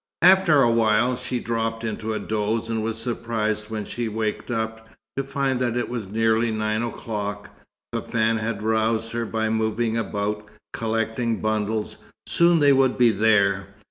After a while, she dropped into a doze, and was surprised when she waked up, to find that it was nearly nine o'clock. Fafann had roused her by moving about, collecting bundles. Soon they would be "there."